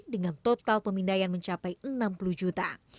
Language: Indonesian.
dengan total pemindaian mencapai enam puluh juta